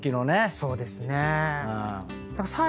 そうですね。